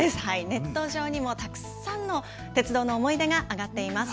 ネット上にもたくさんの鉄道の思い出が上がっています。